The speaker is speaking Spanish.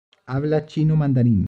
Habla chino mandarín.